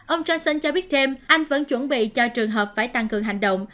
ông johnson cho biết thêm anh vẫn chuẩn bị cho trường hợp phải tăng cường hành động